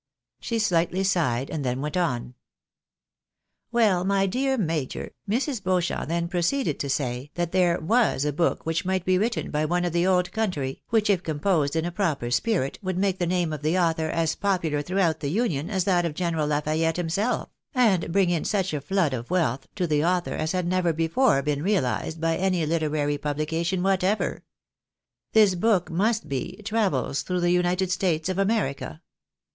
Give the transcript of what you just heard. She slightly sighed, and then went on. " Well, my dear major, Mrs. Bcauchamp then proceeded to say, that there was a book which might be written by one of the old country, which, if composed in a proper spirit, would make the name of the author as popular throughout the Union as that of General Lafayette himself, and bring in such a flood of wealth to the author as had never before been realised by any literary publi cation whatever. This book must be ' Travels through the United States of America.'